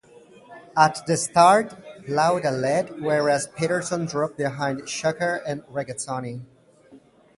At the start, Lauda led, whereas Peterson dropped behind Scheckter and Regazzoni.